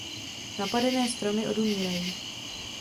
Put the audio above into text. Napadené stromy odumírají.